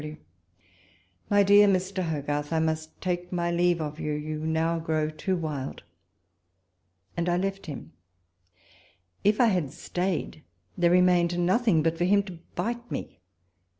WALPOLES LETTERS. 83 W. Aly dear Mr. Hogarth, I must take luy leave of you, you now grow too wild — and I left him. If I had stayed, there remained nothing but for him to bite me.